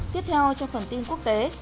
tiếp theo trong phần tin quốc tế